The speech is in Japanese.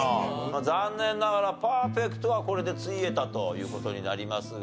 まあ残念ながらパーフェクトはこれでついえたという事になりますが。